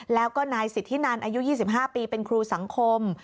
แล้วก็นายสิทธินันอายุ๒๕ปีเป็นครูสังคม